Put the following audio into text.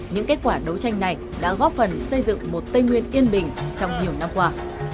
những kết quả đấu tranh này đã góp phần xây dựng một tây nguyên yên bình trong nhiều năm qua